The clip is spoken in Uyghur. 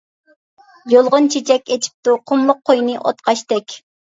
يۇلغۇن چېچەك ئىچىپتۇ، قۇملۇق قوينى ئوتقاشتەك.